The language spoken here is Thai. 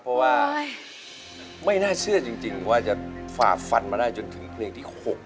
เพราะว่าไม่น่าเชื่อจริงว่าจะฝ่าฟันมาได้จนถึงเพลงที่๖